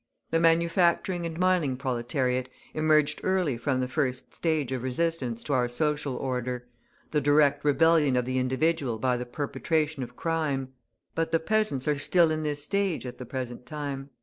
The manufacturing and mining proletariat emerged early from the first stage of resistance to our social order, the direct rebellion of the individual by the perpetration of crime; but the peasants are still in this stage at the present time.